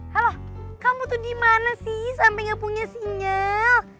halo kamu tuh dimana sih sampe gak punya sinyal